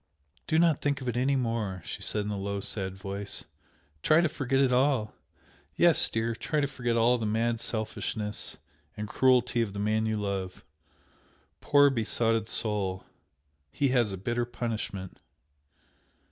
"Do not think of it any more!" she said in a low sad voice "Try to forget it all. Yes, dear! try to forget all the mad selfishness and cruelty of the man you love! Poor, besotted soul! he has a bitter punishment!"